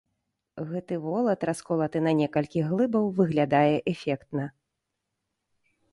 Гэты волат, расколаты на некалькі глыбаў, выглядае эфектна.